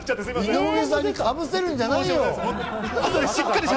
井上さんにかぶせるんじゃないよ！